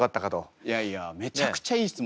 いやいやめちゃくちゃいい質問。